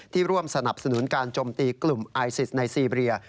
ร่วมสนับสนุนการจมตีกลุ่มไอซิสในซีเรีย